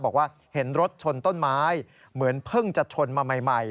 บอกว่าเห็นรถชนต้นไม้เหมือนเพิ่งจะชนมาใหม่